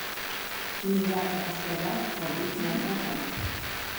Ніякага сваяцтва быць не можа.